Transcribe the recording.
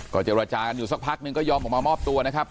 เจรจากันอยู่สักพักนึงก็ยอมออกมามอบตัวนะครับ